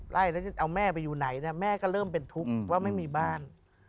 ไล่แล้วจะเอาแม่ไปอยู่ไหนแม่ก็เริ่มเป็นทุกข์ว่าไม่มีบ้าน